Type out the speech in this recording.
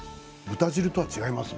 豚汁とは違います